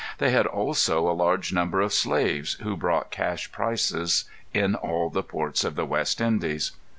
They had also a large number of slaves, who brought cash prices in all the ports of the West Indies.